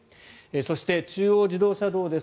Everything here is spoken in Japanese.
そして、中央自動車道です。